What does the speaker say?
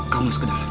kamu masuk ke dalam